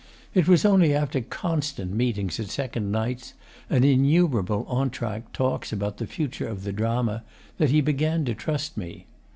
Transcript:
It was only after constant meetings at second nights, and innumerable entr'acte talks about the future of the drama, that he began to trust me.